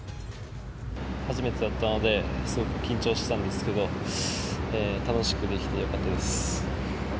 初めてだったので、すごく緊張したんですけど、楽しくできてよかったです。